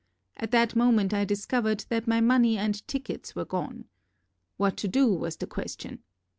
At that moment I discovered that my money and tickets were gone. What to do was the question.